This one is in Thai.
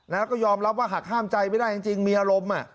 แล้วก็ยอมรับว่าหากห้ามใจไม่ได้จริงมีอารมณ์